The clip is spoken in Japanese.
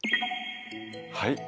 はい。